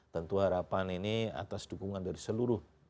tentu harapan ini atas dukungan dari seluruh